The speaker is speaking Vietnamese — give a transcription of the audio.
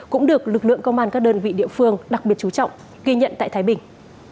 cũng được lực lượng công an các đơn vị địa phương đặc biệt chú trọng ghi nhận tại thái bình